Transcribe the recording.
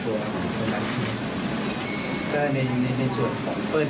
ก็ในส่วนของเปิ้ลพ่อพ่อคุณแม่ที่เปิ้ล